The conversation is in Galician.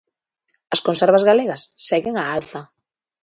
As conservas galegas seguen á alza.